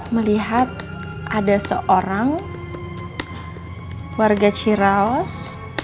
melihat ada seorang warga ciraos